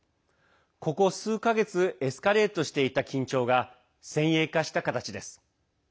ここ数か月エスカレートしていた緊張が先鋭化した形です。